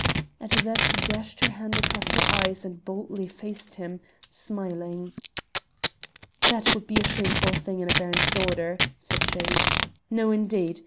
At that she dashed her hand across her eyes and boldly faced him, smiling. "That would be a shameful thing in a Baron's daughter," said she. "No, indeed!